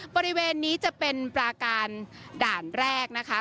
บริเวณนี้จะเป็นปลาการด่านแรกนะคะ